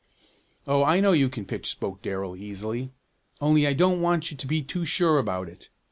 "Oh, I know you can pitch," spoke Darrell easily, "only I don't want you to be too sure about it.